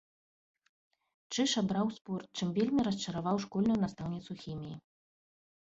Чыж абраў спорт, чым вельмі расчараваў школьную настаўніцу хіміі.